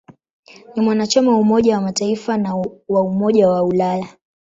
Ni mwanachama wa Umoja wa Mataifa na wa Umoja wa Ulaya.